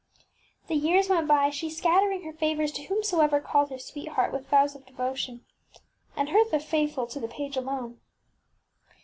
The years went by, she scattering her favours to whomsoever called her sweetheart with vows of <&t)zet Mltabers devotion, and Hertha faithful to the page alone.